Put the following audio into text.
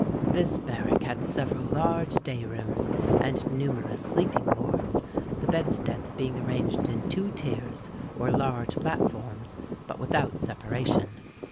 This barrack had several large day rooms and numerous sleeping wards, the bedsteads being arranged in two tiers, or large platforms, but without separation.